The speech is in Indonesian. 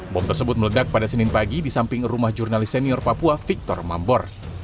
bom tersebut meledak pada senin pagi di samping rumah jurnalis senior papua victor mambor